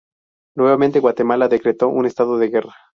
Nuevamente Guatemala decretó un estado de Guerra.